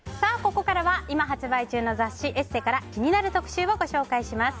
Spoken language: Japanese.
ここからは今発売中の雑誌「ＥＳＳＥ」から気になる特集をご紹介します。